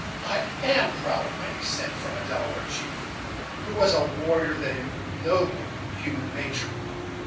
I am proud of my descent from a Delaware chief, who was a warrior that ennobled human nature.